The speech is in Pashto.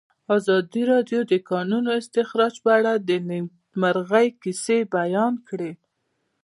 ازادي راډیو د د کانونو استخراج په اړه د نېکمرغۍ کیسې بیان کړې.